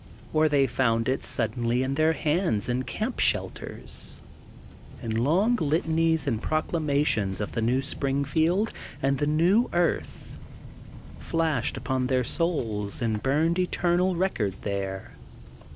Or d05 806 THE GOLDEN BOOK OF SPRINGFIELD they found it suddenly in their hands in camp shelters, and long litanies and proclamations of the New Springfield and the New Earth flashed upon their souls and burned eternal record there.